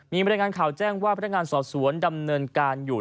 มีบรรยายงานข่าวแจ้งว่าพนักงานสอบสวนดำเนินการอยู่